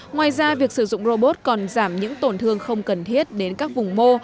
ngoài ra việc sử dụng robot còn giảm những tổn thương không cần thiết đến các vùng mô